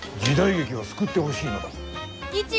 時代劇を救ってほしいのだ。